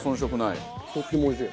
とてもおいしい。